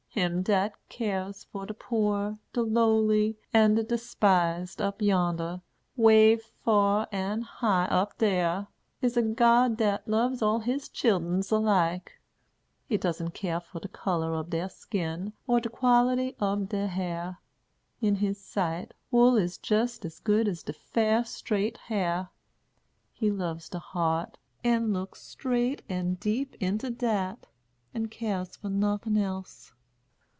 Him dat keres fur de poor, de lowly, and de despised, up yonder, way fur and high up dere, is a God dat loves all of his chillens alike. He doesn't kere fur de color ob de skin or de quality ob de hair. In his sight, wool is jist as good as de fair, straight hair. He loves de heart, and looks straight and deep into dat, and keres fur nothin' else.